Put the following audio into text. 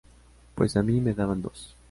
Pues a mí me daban dos